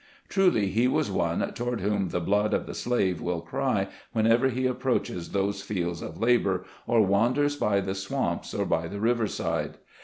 Truly, he was one toward whom the blood of the slave will cry, whenever he approaches those fields of labor, or wanders by the swamps, or by the river side.